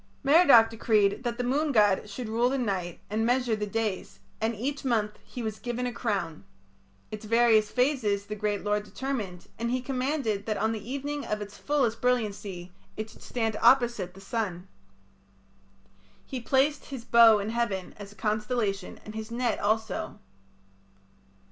Merodach decreed that the moon god should rule the night and measure the days, and each month he was given a crown. Its various phases the great lord determined, and he commanded that on the evening of its fullest brilliancy it should stand opposite the sun. He placed his bow in heaven (as a constellation) and his net also.